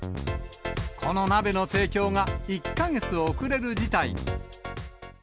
この鍋の提供が１か月遅れる事態に。